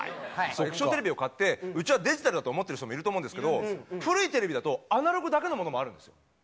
液晶テレビを買ってうちはデジタルだと思ってる人もいると思うんですけど古いテレビだとアナログだけのものもあるんですよ。